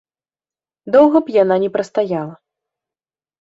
Доўга б яна не прастаяла.